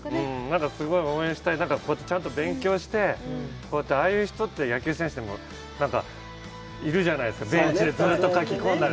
すごい応援したい、ちゃんと勉強して、ああいう人って野球選手にもいるじゃないですか、ずっと書き込んだり。